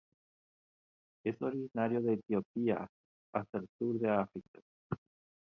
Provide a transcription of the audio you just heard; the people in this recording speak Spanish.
Es originario de Etiopía hasta el sur de África.